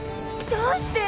どうして！